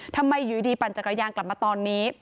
ทำไมอยู่ดีปั่นจักรยานกลับมาตอนนี้